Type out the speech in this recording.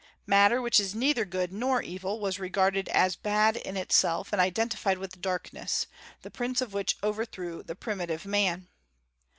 Matter, which is neither good nor evil, was regarded as bad in itself, and identified with darkness, the prince of which overthrew the primitive man.